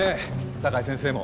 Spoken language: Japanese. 酒井先生も。